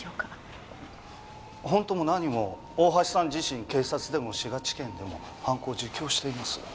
本当も何も大橋さん自身警察でも滋賀地検でも犯行を自供しています。